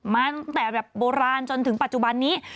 มาตั้งแต่แบบโบราณจนถึงปัจจุบันนี้